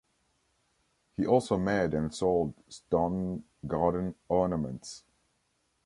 He also made and sold stone garden ornaments.